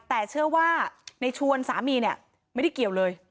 แต่เชื่อว่าในชวนสามีเนี่ยไม่ได้เกี่ยวเลย